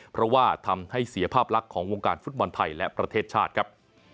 เพราะว่าทำให้เสียภาพลักษณ์ของวงการฟุตบอลไทยและประเทศชาติครับ